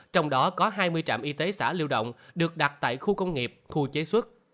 trong đó có hai mươi trạm y tế xã lưu động được đặt tại khu công nghiệp khu chế xuất